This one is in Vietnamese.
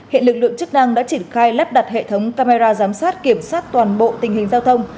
hiện lực lượng chức năng đã triển khai lắp đặt hệ thống camera giám sát kiểm soát toàn bộ tình hình giao thông